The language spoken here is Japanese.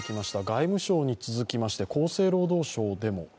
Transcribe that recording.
外務省に続きまして厚生労働省でも。